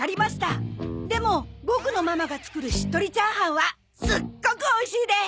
でもボクのママが作るしっとりチャーハンはすっごくおいしいです！